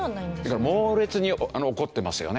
猛烈に怒ってますよね。